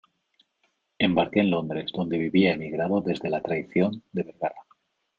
embarqué en Londres, donde vivía emigrado desde la traición de Vergara